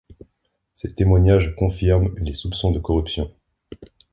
Ces témoignages confirment les soupçons de corruption.